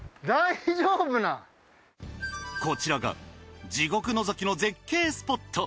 こちらが地獄のぞきの絶景スポット。